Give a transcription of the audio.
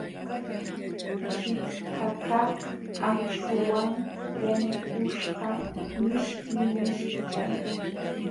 Shitqakaq akśhuwan yanukuśhqa mishki mishkillam.